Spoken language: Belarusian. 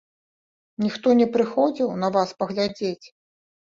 Ніхто не прыходзіў на вас паглядзець?